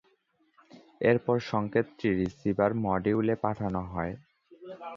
এরপর সংকেতটি রিসিভার মডিউলে পাঠানো হয়।